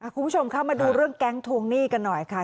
คุณผู้ชมคะมาดูเรื่องแก๊งทวงหนี้กันหน่อยค่ะ